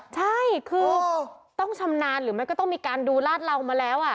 ใช่คือต้องชำนาญหรือมันก็ต้องมีการดูลาดเหลามาแล้ว